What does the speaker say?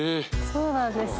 そうなんですね。